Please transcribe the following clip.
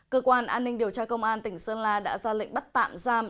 cơ quan an ninh điều tra công an tỉnh sơn la đã ra lệnh bắt tạm giam